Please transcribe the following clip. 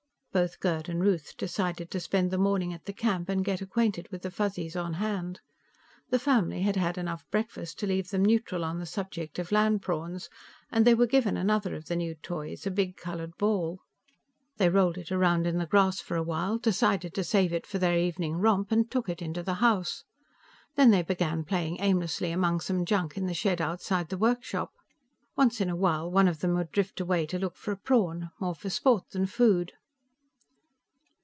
Both Gerd and Ruth decided to spend the morning at the camp and get acquainted with the Fuzzies on hand. The family had had enough breakfast to leave them neutral on the subject of land prawns, and they were given another of the new toys, a big colored ball. They rolled it around in the grass for a while, decided to save it for their evening romp and took it into the house. Then they began playing aimlessly among some junk in the shed outside the workshop. Once in a while one of them would drift away to look for a prawn, more for sport than food.